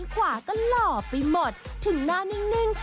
จะหันหมดถึงหน้านิ่ง